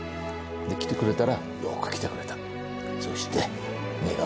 で、来てくれたら、よく来てくれた。